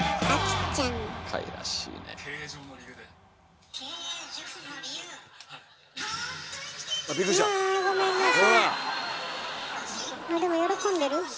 あでも喜んでる？